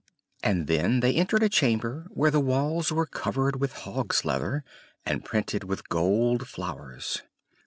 And then they entered a chamber where the walls were covered with hog's leather, and printed with gold flowers.